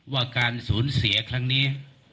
ว่าการสูญเสียครั้งนี้